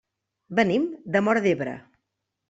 Venim de Móra d'Ebre.